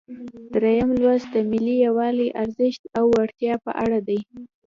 دریم لوست د ملي یووالي ارزښت او اړتیا په اړه دی.